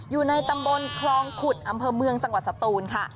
อยู่ในตำบลคลองขุดอำเภอเมืองจังหวัดสตูนค่ะ